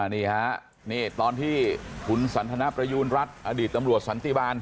นี่ฮะนี่ตอนที่คุณสันทนประยูณรัฐอดีตตำรวจสันติบาล